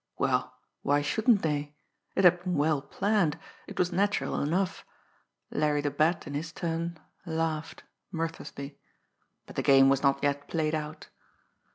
Well, why shouldn't they! It had been well planned; it was natural enough! Larry the Bat, in his turn, laughed, mirthlessly. But the game was not yet played out!